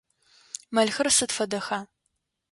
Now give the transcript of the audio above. Мэлхэр сыд фэдэха?